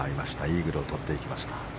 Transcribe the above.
イーグルを取っていきました。